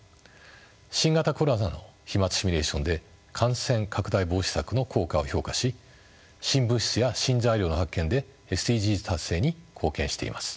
新型コロナの飛まつシミュレーションで感染拡大防止策の効果を評価し新物質や新材料の発見でＳＤＧｓ達成に貢献しています。